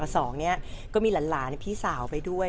สองเนี่ยก็มีหลานพี่สาวไปด้วย